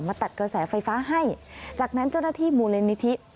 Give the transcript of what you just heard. ตัดกระแสไฟฟ้าให้จากนั้นเจ้าหน้าที่มูลนิธิ